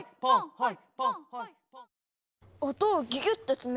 はい！